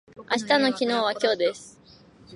明日の昨日は今日です。